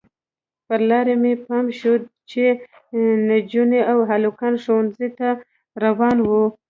پر لاره مې پام شو چې نجونې او هلکان ښوونځیو ته روان وو.